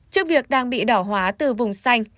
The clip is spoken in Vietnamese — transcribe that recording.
trước việc đang bị đỏ hóa từ vùng xanh